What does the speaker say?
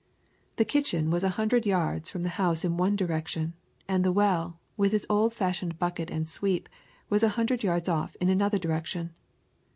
The kitchen was a hundred yards from the house in one direction, and the well, with its old fashioned bucket and sweep, was a hundred yards off in another direction.